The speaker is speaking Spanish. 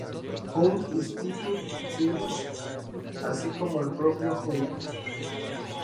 Jung-Institut Zürich" así como del propio Jung.